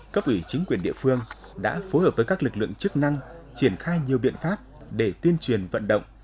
cấp ủy chính quyền địa phương đã phối hợp với các lực lượng chức năng triển khai nhiều biện pháp để tuyên truyền vận động